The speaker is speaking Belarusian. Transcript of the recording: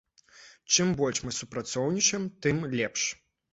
Чым больш мы супрацоўнічаем, тым лепш.